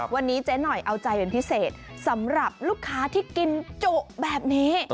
วันนี้เจ๊หน่อยเอาใจเป็นพิเศษสำหรับลูกค้าที่กินจุแบบนี้